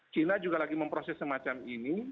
china juga lagi memproses semacam ini